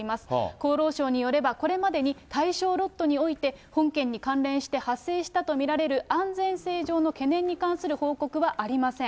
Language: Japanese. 厚労省によれば、これまでに対象ロットにおいて、本件に関連して発生したとみられる安全性上の懸念に関する報告はありません。